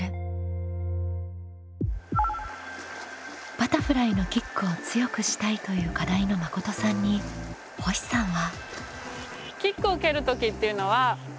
「バタフライのキックを強くしたい」という課題のまことさんに星さんは。